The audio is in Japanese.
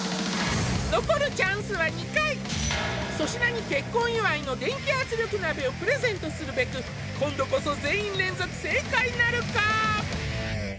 残るチャンスは２回粗品に結婚祝いの電気圧力鍋をプレゼントするべく今度こそ全員連続正解なるか？